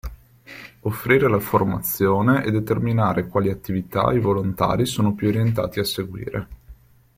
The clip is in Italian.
Offrire la formazione e determinare quali attività i volontari sono più orientati a seguire.